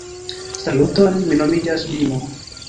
Saluton, mi nomiĝas Bimo